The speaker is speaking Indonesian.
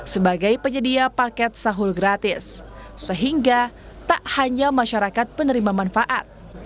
sebagai penyedia paket sahur gratis sehingga tak hanya masyarakat penerima manfaat